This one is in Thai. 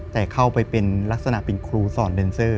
แต่เข้าไปเป็นลักษณะเป็นครูสอนเดนเซอร์